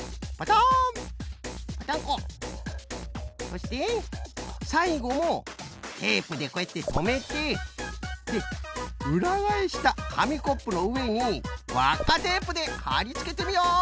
そしてさいごもテープでこうやってとめてでうらがえしたかみコップのうえにわっかテープではりつけてみよう！